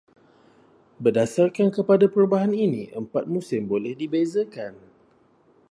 Berdasarkan kepada perubahan ini, empat musim boleh dibezakan.